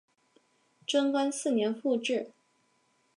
贞观四年复置。